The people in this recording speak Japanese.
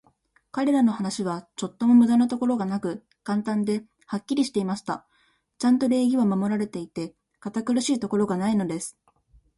彼等の話は、ちょっとも無駄なところがなく、簡単で、はっきりしていました。ちゃんと礼儀は守られていて、堅苦しいところがないのです。